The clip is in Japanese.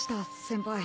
先輩